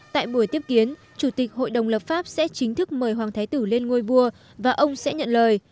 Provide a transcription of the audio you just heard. tại buổi tiếp kiến chủ tịch hội đồng lập pháp sẽ chính thức mời hoàng thái tử lên ngôi vua và ông sẽ nhận lời